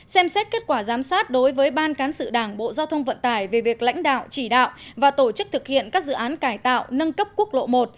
xem xét kết quả giám sát đối với ban cán sự đảng bộ giao thông vận tải về việc lãnh đạo chỉ đạo và tổ chức thực hiện các dự án cải tạo nâng cấp quốc lộ một